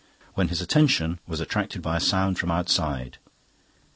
when his attention was attracted by a sound from outside.